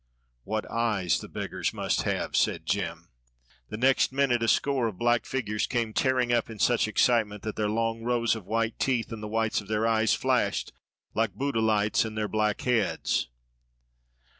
"What eyes the beggars must have," said Jem. The next minute a score of black figures came tearing up in such excitement that their long rows of white teeth and the whites of their eyes flashed like Budelights in their black heads.